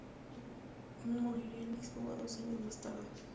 Moriría en Lisboa dos años más tarde.